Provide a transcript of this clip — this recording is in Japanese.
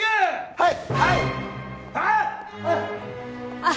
はい！